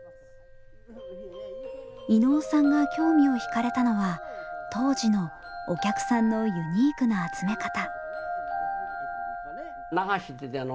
伊野尾さんが興味を惹かれたのは当時のお客さんのユニークな集め方。